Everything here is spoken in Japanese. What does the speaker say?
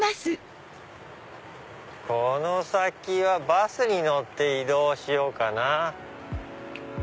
この先はバスに乗って移動しようかな。